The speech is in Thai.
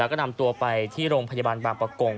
แล้วก็นำตัวไปที่โรงพยาบาลบางประกง